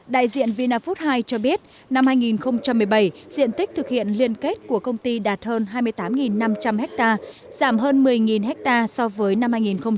đại diện vinafood hai cho biết năm hai nghìn một mươi bảy diện tích thực hiện liên kết của công ty đạt hơn hai mươi tám năm trăm linh hectare giảm hơn một mươi hectare so với năm hai nghìn một mươi sáu